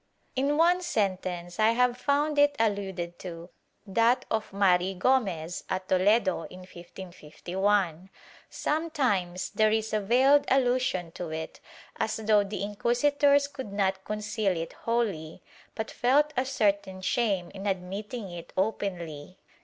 In one sentence I have found it alluded to — that of Mari Gomez, at Toledo, in 1551/ Some times there is a veiled allusion to it, as though the inquisitors could not conceal it wholly, but felt a certain shame in admitting it openly.